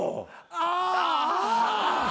ああ。